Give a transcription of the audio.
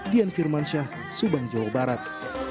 dian firmansyah subang jawa barat